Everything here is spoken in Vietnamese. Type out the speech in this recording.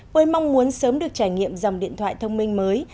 với mong muốn sớm được trải nghiệm dòng điện thoại thông minh mới